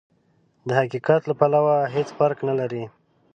د حقيقت له پلوه هېڅ فرق نه لري.